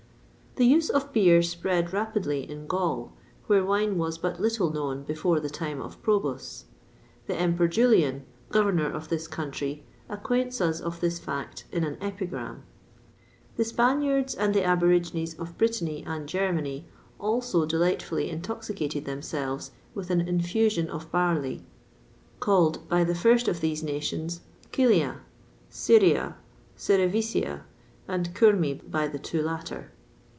The use of beer spread rapidly in Gaul, where wine was but little known before the time of Probus. The Emperor Julian, governor of this country, acquaints us of this fact in an epigram.[XXVI 12] The Spaniards, and the aborigines of Britany and Germany, also delightfully intoxicated themselves with an "infusion of barley," called by the first of these nations, cœlia, ceria, cerevisia,[XXVI 13] and curmi by the two latter.